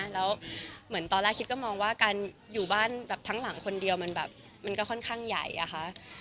แล้วเหมือนตอนแรกคิดก็มองว่าการอยู่บ้านแบบทั้งหลังคนเดียวมันแบบมันก็ค่อนข้างใหญ่อะค่ะ